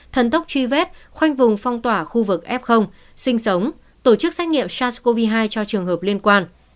thần tốc truy vết khoanh vùng phong tỏa khu vực f sinh sống tổ chức xét nghiệm sars cov hai cho trường hợp liên quan